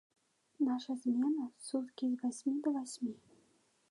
Наша змена, суткі з васьмі да васьмі.